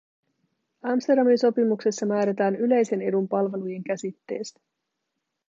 Amsterdamin sopimuksessa määrätään yleisen edun palvelujen käsitteestä.